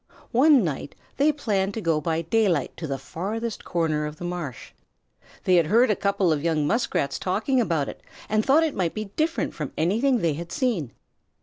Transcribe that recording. One night they planned to go by daylight to the farthest corner of the marsh. They had heard a couple of young Muskrats talking about it, and thought it might be different from anything they had seen.